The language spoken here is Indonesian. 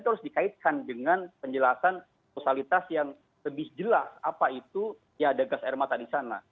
itu harus dikaitkan dengan penjelasan sosialitas yang lebih jelas apa itu ya ada gas air mata di sana